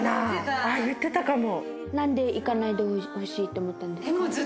あっ言ってたかも。